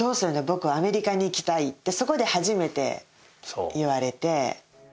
「僕はアメリカに行きたい」ってそこで初めて言われて。